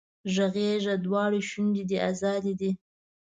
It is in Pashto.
غږېږه دواړه شونډې دې ازادې دي